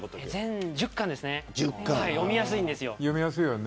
全１０巻で読みやすいんです。